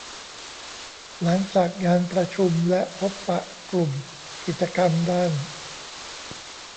หลังจากงานประชุมและพบปะกลุ่มกิจกรรมด้าน